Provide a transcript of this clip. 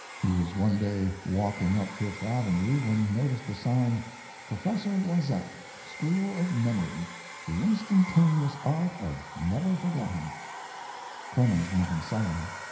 He was one day walking up Fifth Avenue when he noticed the sign, PROFESSOR LOISETTE SCHOOL OF MEMORY The Instantaneous Art of Never Forgetting Clemens went inside.